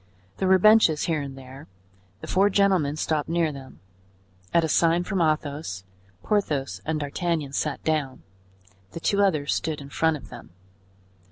There were benches here and there; the four gentlemen stopped near them; at a sign from Athos, Porthos and D'Artagnan sat down, the two others stood in front of them.